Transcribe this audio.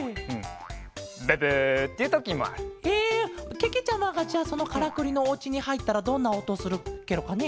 けけちゃまがじゃあそのカラクリのおうちにはいったらどんなおとするケロかね？